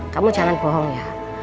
kamu jangan bohong ya